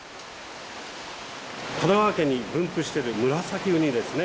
神奈川県に分布してるムラサキウニですね。